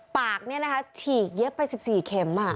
ปากนี้นะคะฉีกเยอะไป๑๔เข็ม